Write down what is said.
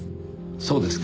そうですか。